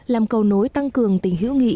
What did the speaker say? làm cầu nối tăng cường tình hữu nghị